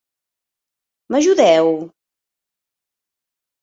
M'ajudeu?